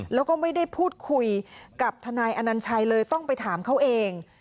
แล้วก็ไม่ได้พูดคุยกับทนายอนัญชัยเลยต้องไปถามเขาเอง